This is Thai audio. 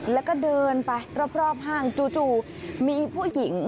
แล้วก็เดินไปรอบห้างจู่มีผู้หญิง